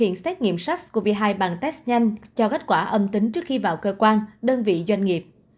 hiện xét nghiệm sars cov hai bằng test nhanh cho kết quả âm tính trước khi vào cơ quan đơn vị doanh nghiệp